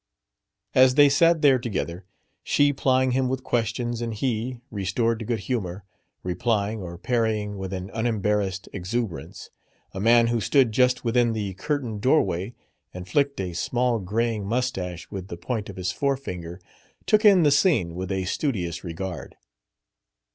As they sat there together, she plying him with questions and he, restored to good humor, replying or parrying with an unembarrassed exuberance, a man who stood just within the curtained doorway and flicked a small graying moustache with the point of his forefinger took in the scene with a studious regard.